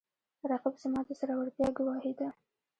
رقیب زما د زړورتیا ګواهي ده